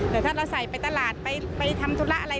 แต่ถ้าเราใส่ไปตลาดไปทำธุระอะไร